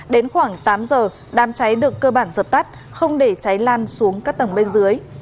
đến khoảng tám giờ đám cháy được cơ bản dập tắt không để cháy lan xuống các tầng bên dưới